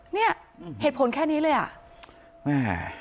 เนี่ยเหตุผลแค่นี้เลยอ่ะแม่